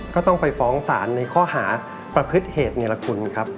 ก็ต้องไปฟ้องศาลในข้อหาประพฤติเหตุเนรคุณครับ